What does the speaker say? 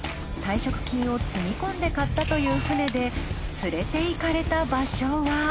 退職金をつぎ込んで買ったという船で連れていかれた場所は。